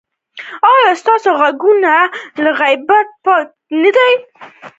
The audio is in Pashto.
ایا ستاسو غوږونه له غیبت پاک نه دي؟